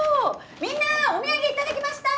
みんなお土産頂きました！